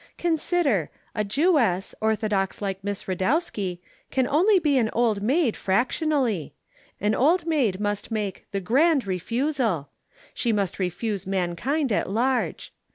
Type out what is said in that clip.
"Consider! A Jewess, orthodox like Miss Radowski, can only be an Old Maid fractionally. An Old Maid must make 'the grand refusal!' she must refuse mankind at large.